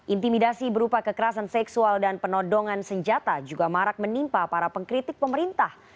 intimidasi berupa kekerasan seksual dan penodongan senjata juga marak menimpa para pengkritik pemerintah